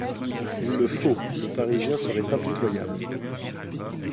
Il le faut, le Parisien serait impitoyable.